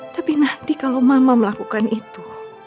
tapi nanti kalau mama melakukan itu